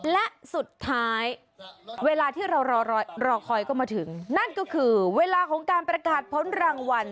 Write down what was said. และสุดท้ายเวลาที่เรารอคอยก็มาถึงนั่นก็คือเวลาของการประกาศพ้นรางวัล